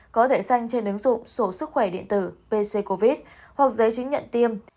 có thể xanh trên ứng dụng sổ sức khỏe điện tử pc covid hoặc giấy chứng nhận tiêm